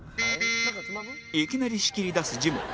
いきなり仕切り出すジモン